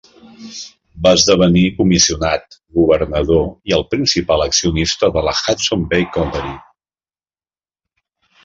Va esdevenir comissionat, governador i el principal accionista de la Hudson's Bay Company.